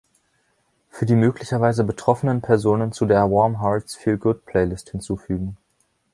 Für die möglicherweise betroffenen Personen zu der Warm Hearts Feel Good-Playlist hinzufügen.